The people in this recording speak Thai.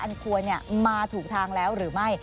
อันควรมาถูกทางแล้วหรือไม่